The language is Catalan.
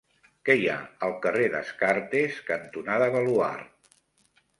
Què hi ha al carrer Descartes cantonada Baluard?